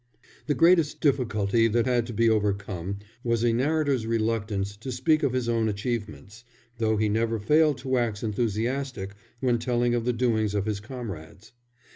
The greatest difficulty that had to be overcome was a narrator's reluctance to speak of his own achievements, though he never failed to wax enthusiastic when telling of the doings of his comrades.